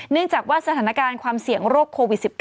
เนื่องจากว่าสถานการณ์ความเสี่ยงโรคโควิด๑๙